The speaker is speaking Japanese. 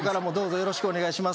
よろしくお願いします